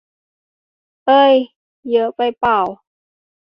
เอ้ย เยอะไปป่าว